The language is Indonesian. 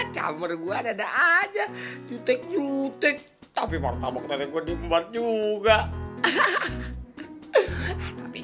soalnya rasanya programs pengantin